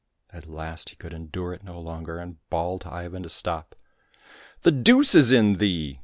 At last he could endure it no longer, and bawled to Ivan to stop. " The deuce is in thee